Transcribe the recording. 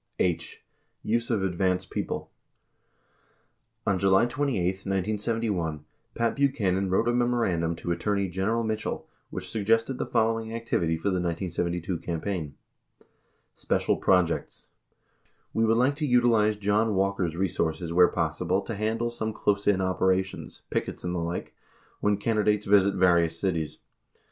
51 h. Use of Advance People On July 28, 1971, Pat Buchanan wrote a memorandum to Attorney General Mitchell, which suggested the following activity for the 1972 campaign : Special Projects. We would like to utilize Eon Walker's re sources where possible to handle some close in operations, pickets and the like, when candidates visit various cities.